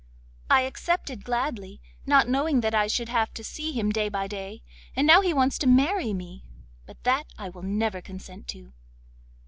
I accepted gladly, not knowing that I should have to see him day by day. And now he wants to marry me, but that I will never consent to.